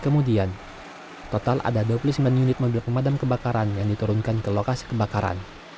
kemudian total ada dua puluh sembilan unit mobil pemadam kebakaran yang diturunkan ke lokasi kebakaran